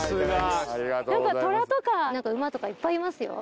何か虎とか馬とかいっぱいいますよ。